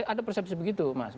ada persepsi begitu mas